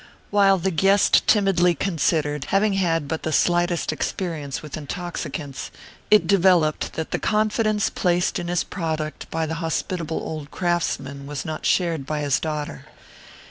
While the guest timidly considered, having had but the slightest experience with intoxicants, it developed that the confidence placed in his product by the hospitable old craftsman was not shared by his daughter.